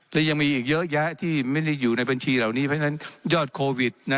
และยังมีอีกเยอะแยะที่ไม่ได้อยู่ในบัญชีเหล่านี้เพราะฉะนั้นยอดโควิดนะ